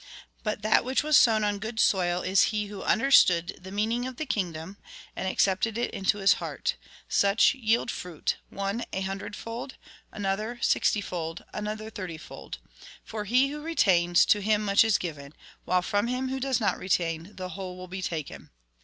But that wliich was sown on good soil is he who understood the meaning of the kingdom, and accepted it into his heart ; such yield fruit, one a hundredfold, another sixtyfold, another thirty fold. For he who retains, to him much is given ; while from him who does not retain, the whole will be taken.